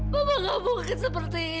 bapak gak mungkin seperti ini